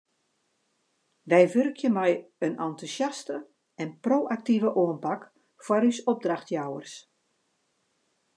Wy wurkje mei in entûsjaste en pro-aktive oanpak foar ús opdrachtjouwers.